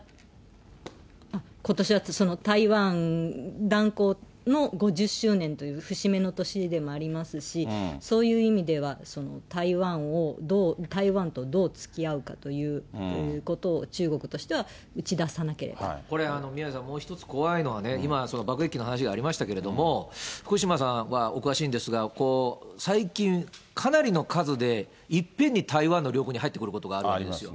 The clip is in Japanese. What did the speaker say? ことしは台湾断交の５０周年という節目の年でもありますし、そういう意味では台湾とどうつきあうかということを中国としてはこれ、宮根さん、もう一つ怖いのはね、今、爆撃機の話がありましたけれども、福島さんはお詳しいんですが、最近、かなりの数でいっぺんに台湾の領空に入ってくることがあるわけですよ。